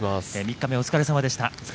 ３日目、お疲れさまでした。